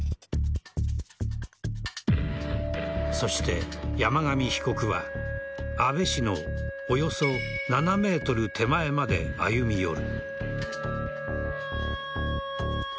そして山上被告は安倍氏のおよそ７ｍ手前まで歩み寄る。